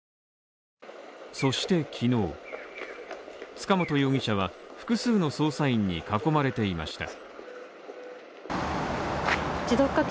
そして昨日、塚本容疑者は複数の捜査員に囲まれていました。